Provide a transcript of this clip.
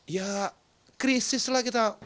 ya krisislah kita